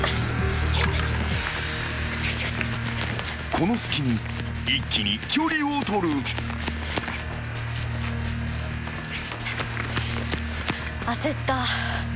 ［この隙に一気に距離を取る］焦った。